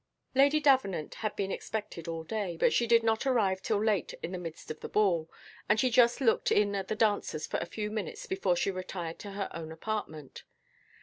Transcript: Lady Davenant had been expected all day, but she did not arrive till late in the midst of the ball, and she just looked in at the dancers for a few minutes before she retired to her own apartment.